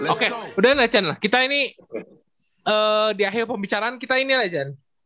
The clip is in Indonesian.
oke udah lah chen kita ini di akhir pembicaraan kita ini lah chen